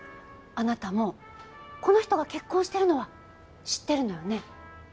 あなたもこの人が結婚してるのは知ってるのよね？